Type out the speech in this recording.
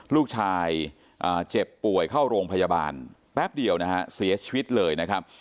ลูกชายเจ็บป่วยเข้าโรงพยาบาลแป๊บเดียวเสียชีวิตเลย